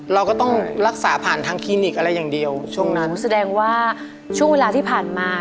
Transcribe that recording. เราก็ต้องรักษาผ่านทางคลินิกอะไรอย่างเดียวช่วงนั้นแสดงว่าช่วงเวลาที่ผ่านมา